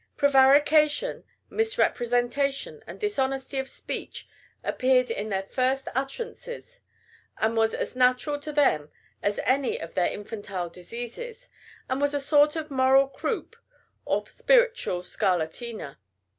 Prevarication, misrepresentation, and dishonesty of speech appeared in their first utterances and was as natural to them as any of their infantile diseases, and was a sort of moral croup or spiritual scarlatina.